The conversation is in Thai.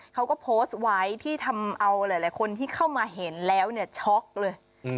เขาก็โพสต์ไว้ที่ทำเอาหลายคนที่เข้ามาเห็นแล้วเนี่ยช็อกเลย